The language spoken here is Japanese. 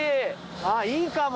あっいいかも。